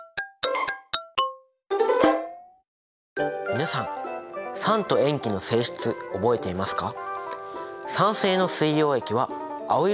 皆さん酸と塩基の性質覚えていますか？